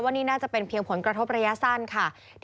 นี่น่าจะเป็นเพียงผลกระทบระยะสั้นค่ะ